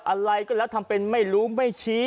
อะไรก็แล้วทำเป็นไม่รู้ไม่ชี้